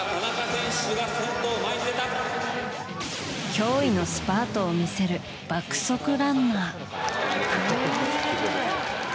驚異のスパートを見せる爆速ランナー。